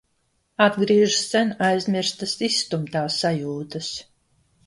Atgriežas sen aizmirstas izstumtā sajūtas...